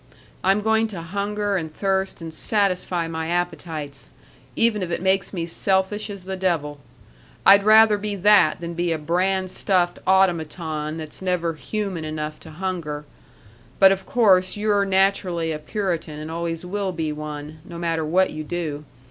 I'm going to hunger and thirst and satisfy my appetites even if it makes me selfish as the devil. I'd rather be that than be a bran stuffed automaton that's never human enough to hunger. But of course you're naturally a Puritan and always will be one, no matter what you do.